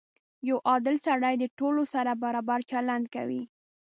• یو عادل سړی د ټولو سره برابر چلند کوي.